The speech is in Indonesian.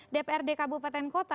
dprd kabupaten kota